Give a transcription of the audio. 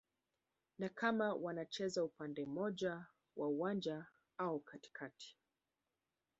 na kama wanacheza upande mmoja wa uwanja au katikati